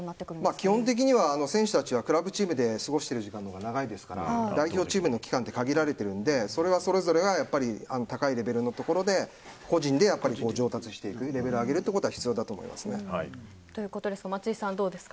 基本的には選手たちはクラブチームで過ごしている時間のほうが長いですから代表チームの期間は限られているのでそれぞれが高いレベルのところで、個人で上達していくレベルを上げることが松井さん、どうですか。